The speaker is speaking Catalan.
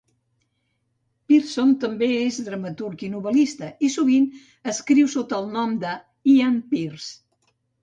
Pierson també és dramaturg i novel·lista, i sovint escriu sota el nom d'Ian Pierce.